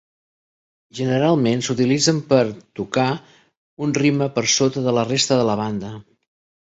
Generalment s'utilitzen per tocar un ritme per sota de la resta de la banda.